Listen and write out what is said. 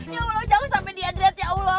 ya allah jangan sampai dia dread ya allah